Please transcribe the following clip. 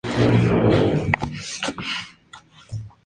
Al día siguiente acabó la carrera en la cuarta posición.